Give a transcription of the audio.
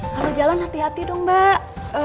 kau mau jalan hati hati dong mbak